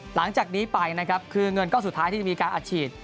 หลังจากนี้ไปนะครับคือเงินก้อนสุดท้ายที่จะมีการอัดฉีด